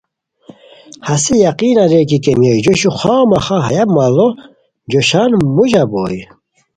ہسے یقین اریر کی کیمیا جوشو خواہ مخواہ ہیہ ماڑو جوشان موژی بوئے